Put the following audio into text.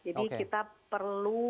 jadi kita perlu